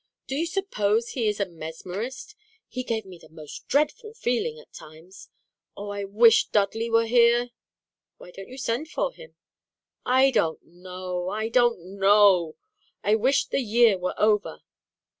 Do you suppose he is a mesmerist? He gave me the most dreadful feeling at times. Oh, I wish Dudley were here!" "Why don't you send for him?" "I don't know! I don't know! I wish the year were over!"